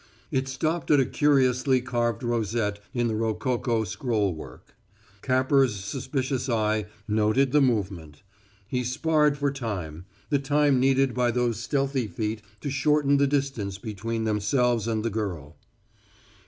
It stopped at a curiously carved rosette in the rococo scroll work. Capper's suspicious eye noted the movement. He sparred for time the time needed by those stealthy feet to shorten the distance between themselves and the girl.